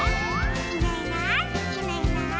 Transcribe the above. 「いないいないいないいない」